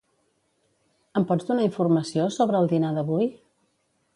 Em pots donar informació sobre el dinar d'avui?